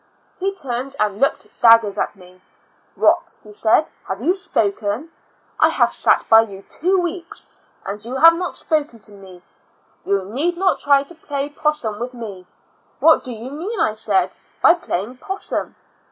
He turned and looked daggers at me. "What," he said, " have you spoken? I have sat by you two weeks, and you have not spoken to me; you need not try to play possum with me?" " What do you mean," I said, " by playing possum?"